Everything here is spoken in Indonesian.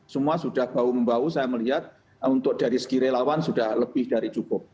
semua sudah bahu membahu saya melihat untuk dari segi relawan sudah lebih dari cukup